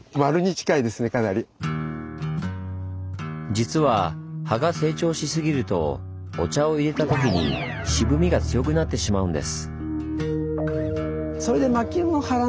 実は葉が成長しすぎるとお茶をいれたときに渋みが強くなってしまうんです。